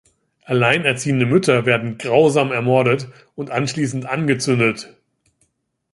Alleinerziehende Mütter werden grausam ermordet und anschließend angezündet.